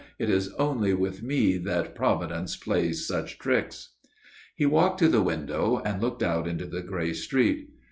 _ It is only with me that Providence plays such tricks." He walked to the window and looked out into the grey street.